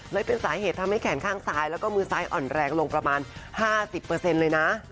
เลยเป็นสาเหตุทำให้แขนข้างซ้ายแล้วก็มือซ้ายอ่อนแรงลงประมาณ๕๐เลยนะ